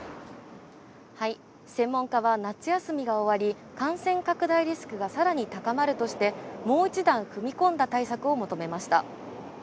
専門家は夏休みが終わり、感染拡大リスクがさらに高まるとして、もう一段踏み込んだ対策を求めました。